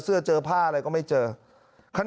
มึงอยากให้ผู้ห่างติดคุกหรอ